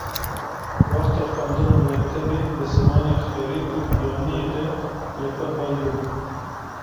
Wexta xwendina mektebê bi zimanê xerîb û biyaniyê de li xwe haybûm.